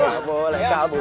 gak boleh kabur